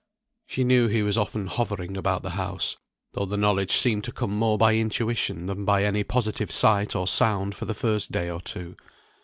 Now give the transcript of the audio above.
She knew he was often hovering about the house; though the knowledge seemed to come more by intuition, than by any positive sight or sound for the first day or two.